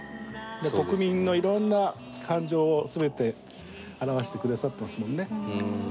国民のいろんな感情を全て表してくださってますもんね。